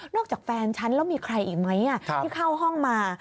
จากแฟนฉันแล้วมีใครอีกไหมที่เข้าห้องมา